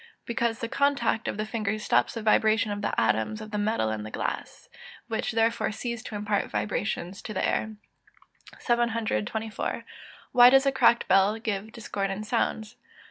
_ Because the contact of the finger stops the vibration of the atoms of the metal and glass, which therefore cease to impart vibrations to the air. 724. _Why does a cracked bell give discordant sounds?